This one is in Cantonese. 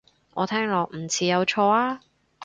我聽落唔似有錯啊